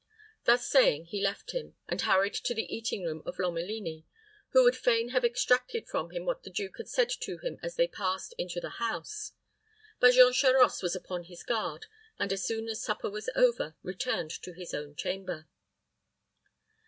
Thus saying, he left him, and hurried to the eating room of Lomelini, who would fain have extracted from him what the duke had said to him as they passed into the house; but Jean Charost was upon his guard, and, as soon as supper was over, returned to his own chamber.